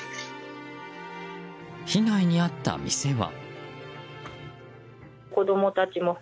被害に遭った店は。